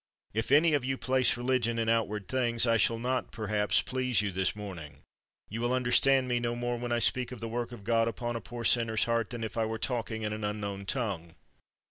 If any of you place religion in outward things, I shall not perhaps please you this morning; you will understand me no more when I speak of the work of God upon a poor sinner's heart than if I were talking in an un known tongue.